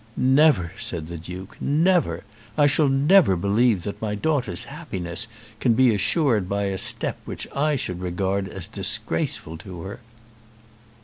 "Never!" said the Duke. "Never! I shall never believe that my daughter's happiness can be assured by a step which I should regard as disgraceful to her."